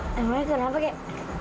emangnya kenapa kek